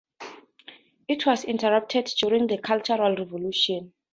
It was interrupted during the Cultural Revolution.